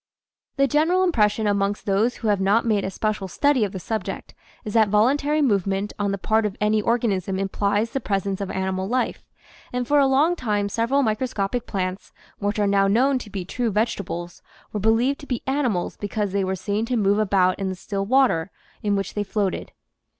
The general impression amongst those who have not made a special study of the subject is that voluntary movement on the part of any organism implies the presence of animal life, and for a long time several microscopic plants which are now known to be true vege tables, were believed to be animals because they were seen to move about in the still water in which they floated.